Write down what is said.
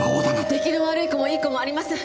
出来の悪い子もいい子もありません。